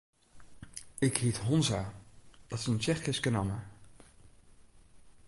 Ik hyt Honza, dat is in Tsjechyske namme.